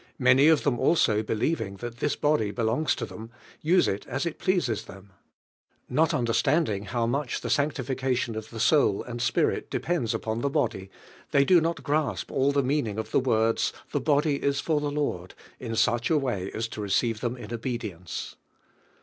Many of them also, believing thai this body belongs to them, use it as it pleases them. Now under standing how much the sajjetiucation of i In soul and spirit dependsupon 'the body, they do not grasp all the meaning of the words, "The body is for the Lord," in such a way as to receive them in obedience.